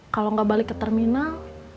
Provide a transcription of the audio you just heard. kalau nggak balik ke terminal